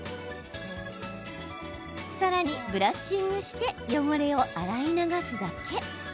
さらにブラッシングして汚れを洗い流すだけ。